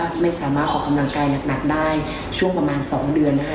ก็ไม่สามารถออกกำลังกายหนักได้ช่วงประมาณ๒เดือนนะคะ